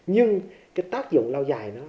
nhưng cái tác dụng lau dài